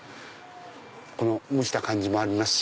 この蒸した感じもありますし。